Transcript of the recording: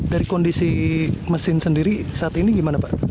dari kondisi mesin sendiri saat ini gimana pak